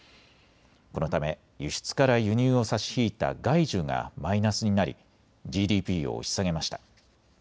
このため輸出から輸入を差し引いた外需がマイナスになりＧＤＰを押し下げました。